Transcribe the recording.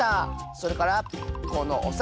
それからこのおさら！